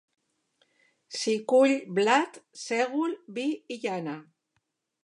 S'hi cull blat, sègol, vi i llana.